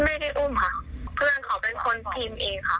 ไม่ได้อุ้มค่ะเพื่อนเขาเป็นคนพิมพ์เองค่ะ